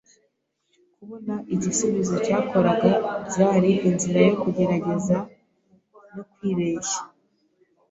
Kubona igisubizo cyakoraga byari inzira yo kugerageza no kwibeshya.